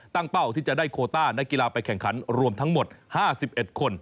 เป้าที่จะได้โคต้านักกีฬาไปแข่งขันรวมทั้งหมด๕๑คน